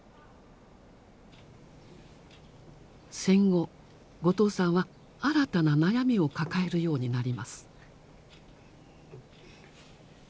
戦後後藤さんは新たな悩みを抱えるようになります。